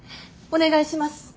お願いします。